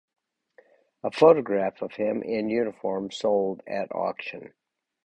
A photograph of him in uniform sold at auction.